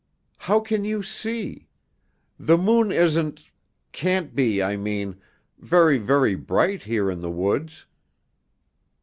How can you see? The moon isn't can't be, I mean very, very bright here in the woods."